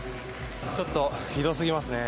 ちょっとひどすぎますね。